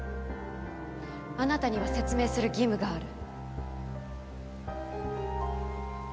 あなたには説明する義務がある。